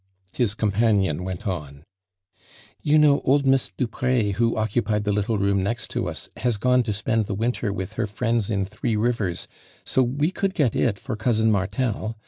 His companion went on :" You know •Id Miss Duprez who occupied the little room next to us has gone to spend the win ter with her friends in Threo Kivers, so we •ould got it for cousin Martel.